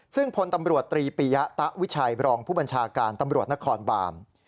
ซึ่งพลตำรวจตรีปียะตะวิชัยบรองผู้บัญชาการตำรวจนครบาน